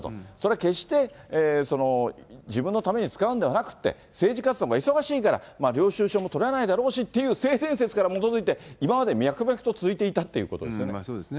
それは決して自分のために使うんではなくって、政治活動が忙しいから、領収書も取らないだろうしっていう性善説から基づいて、今まで脈そうですね。